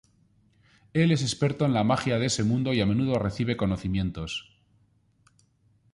Él es experto en la magia de ese mundo y a menudo recibe conocimientos.